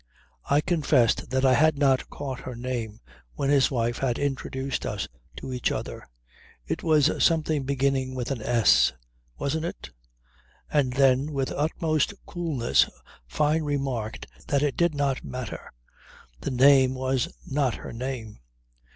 I confessed that I had not caught her name when his wife had introduced us to each other. "It was something beginning with an S wasn't it?" And then with the utmost coolness Fyne remarked that it did not matter. The name was not her name.